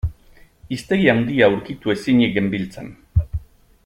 Hiztegi handia aurkitu ezinik genbiltzan.